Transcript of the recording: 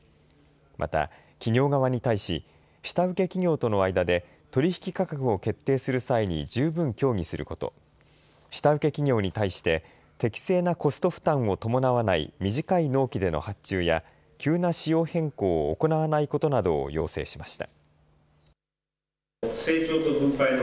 また企業側に対し下請け企業との間で取り引き価格を決定する際に十分協議すること、下請け企業に対して適正なコスト負担を伴わない短い納期での発注や急な仕様変更を行わないことなどを要請しました。